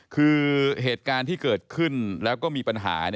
คือเหตุการณ์ที่เกิดขึ้นแล้วก็มีปัญหา